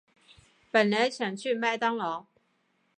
本来想去麦当劳